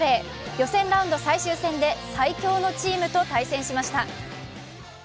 予選ラウンド最終戦で最強のチームと対戦しました。